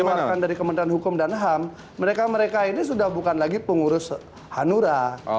dikeluarkan dari kementerian hukum dan ham mereka mereka ini sudah bukan lagi pengurus hanura